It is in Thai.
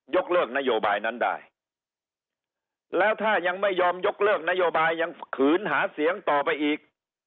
เลิกนโยบายนั้นได้แล้วถ้ายังไม่ยอมยกเลิกนโยบายยังขืนหาเสียงต่อไปอีก